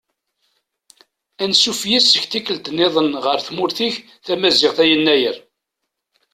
Ansuf yis-k tikkelt-nniḍen ɣer tmurt-ik tamaziɣt a Yennayer.